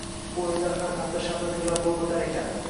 Bu oʻyinlar har hafta shanba kunlari boʻlib oʻtar ekan.